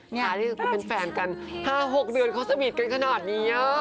ท้ายที่เป็นแฟนกัน๕๖เดือนเขาสมีดกันขนาดนี้อะ